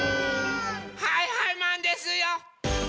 はいはいマンですよ！